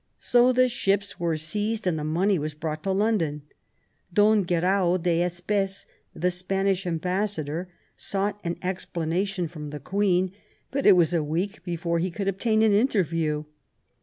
So the ships were seized and the money was brought to London. Don Guerau d'Espes, the Spanish am bassador, sought an explanation from the Queen, but it was a week before he could obtain an interview.